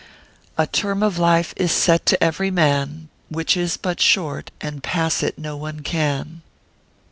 ——— A term of life is set to every man, Which is but short, and pass it no one can.